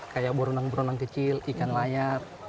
kayak beronang beronang kecil ikan layar